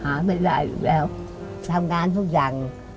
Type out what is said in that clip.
หาไม่ได้อยู่แล้วทำงานทุกอย่าง